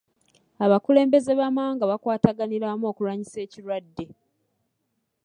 Abakulembeze b'amawanga bakwataganira wamu okulwanyisa ekirwadde.